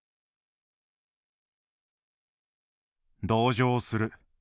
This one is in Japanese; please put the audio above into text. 「同情する。